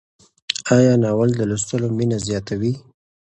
آیا ناول د لوستلو مینه زیاتوي؟